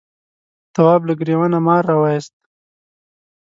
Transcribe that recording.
تواب له گرېوانه مار راوایست.